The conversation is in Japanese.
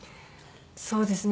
そうですね